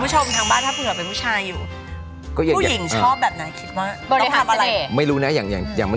ผู้หญิงชอบแบบไหนคิดว่า